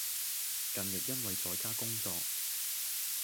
近日因為在家工作